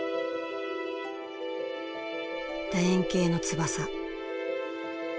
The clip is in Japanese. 楕円形の翼。